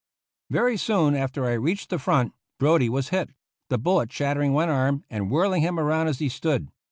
Very soon after I reached the front, Brodie was hit, the bullet shattering one arm and whirling him around as he stood.